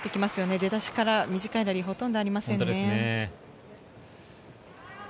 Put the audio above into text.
出だしから短いラリーはほとんどありませんね。